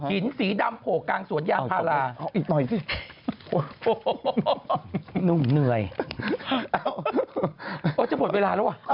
เหล็กไหล